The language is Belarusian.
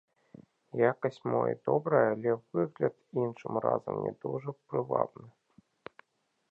Якасць мо і добрая, але выгляд іншым разам не дужа прывабны.